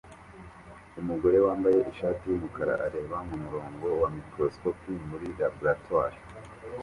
Umugore wambaye ishati yumukara areba mumurongo wa microscope muri laboratoire